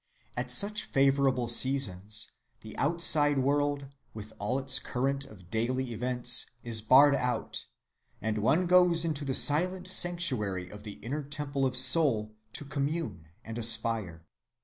At such favorable seasons the outside world, with all its current of daily events, is barred out, and one goes into the silent sanctuary of the inner temple of soul to commune and aspire.